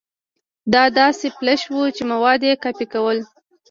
دا داسې فلش و چې مواد يې کاپي کول.